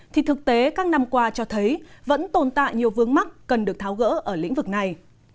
thì thực tế các năm qua cho thấy vẫn tồn tại nhiều vướng mắt cần được tháo gỡ ở lĩnh vực này